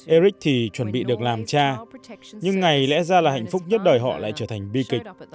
eric thì chuẩn bị được làm cha nhưng ngày lẽ ra là hạnh phúc nhất đời họ lại trở thành bi kịch